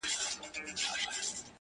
• ولاړم بندیوانه زولنې راپسي مه ګوره ,